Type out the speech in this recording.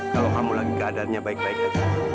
kalau kamu lagi keadaannya baik baik saja